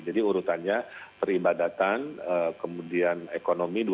jadi urutannya peribadatan kemudian ekonomi dua tahap